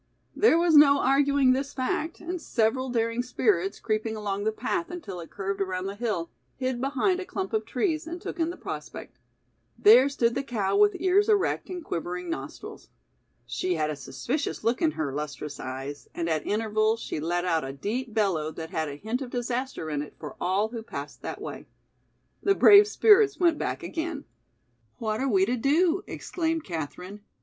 There was no arguing this fact, and several daring spirits, creeping along the path until it curved around the hill, hid behind a clump of trees and took in the prospect. There stood the cow with ears erect and quivering nostrils. She had a suspicious look in her lustrous eyes and at intervals she let out a deep bellow that had a hint of disaster in it for all who passed that way. The brave spirits went back again. "What are we to do?" exclaimed Katherine.